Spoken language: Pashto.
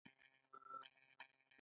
ترافیکي ګڼه ګوڼه وخت ضایع کوي.